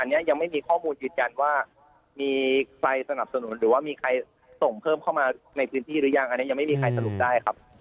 อันนี้ยังไม่มีข้อมูลยืนยันว่ามีใครสนับสนุนหรือว่ามีใครส่งเพิ่มเข้ามาในพื้นที่หรือยังอันนี้ยังไม่มีใครสรุปได้ครับ